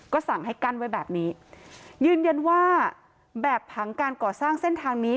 ก็สั่งให้กั้นไว้แบบนี้ยืนยันว่าแบบผังการก่อสร้างเส้นทางนี้